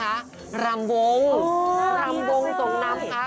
รำวงรำวงสงน้ำคะค่ะ